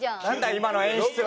今の演出は。